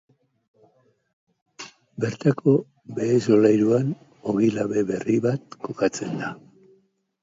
Bertako behe solairuan ogi labe berri bat kokatzen da.